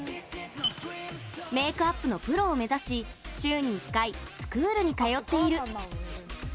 メークアップのプロを目指し週に１回、スクールに通っている。